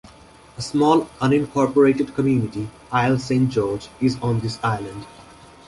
A small unincorporated community, Isle Saint George, is on the island.